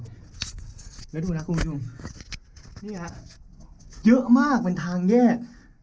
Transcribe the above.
แล้วดูนะคุณผู้ชมนี่ฮะเยอะมากเป็นทางแยก